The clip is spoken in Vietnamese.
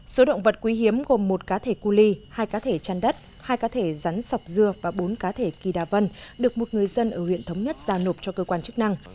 số động vật quý hiếm gồm một cá thể cu ly hai cá thể chăn đất hai cá thể rắn sọc dưa và bốn cá thể kỳ đa vân được một người dân ở huyện thống nhất giao nộp cho cơ quan chức năng